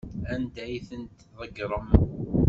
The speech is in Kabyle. Anda ay tent-tḍeggrem?